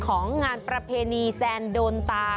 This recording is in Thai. ของงานประเพณีแซนโดนตา